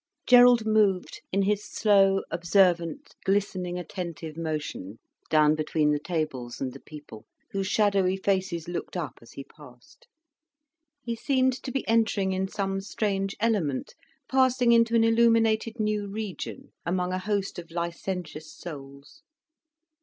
Gerald moved in his slow, observant, glistening attentive motion down between the tables and the people whose shadowy faces looked up as he passed. He seemed to be entering in some strange element, passing into an illuminated new region, among a host of licentious souls.